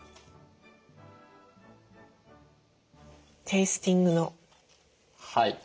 テイスティングの。